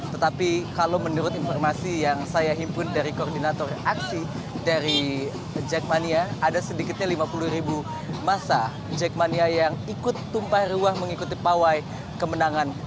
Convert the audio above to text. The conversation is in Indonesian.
tetapi kalau menurut informasi yang saya himpun dari koordinator aksi dari jackmania ada sedikitnya lima puluh ribu masa jackmania yang ikut tumpah ruah mengikuti pawai kemenangan